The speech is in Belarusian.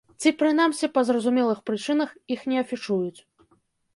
Ці, прынамсі, па зразумелых прычынах іх не афішуюць.